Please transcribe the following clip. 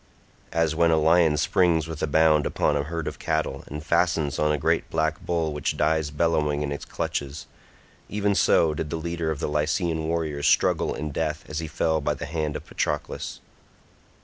As when a lion springs with a bound upon a herd of cattle and fastens on a great black bull which dies bellowing in its clutches—even so did the leader of the Lycian warriors struggle in death as he fell by the hand of Patroclus.